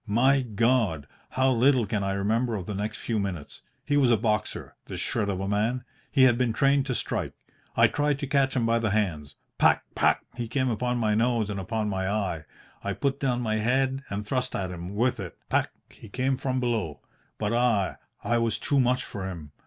My God! how little can I remember of the next few minutes! He was a boxer, this shred of a man. He had been trained to strike. I tried to catch him by the hands. Pac, pac, he came upon my nose and upon my eye. I put down my head and thrust at him with it. Pac, he came from below. But ah! I was too much for him.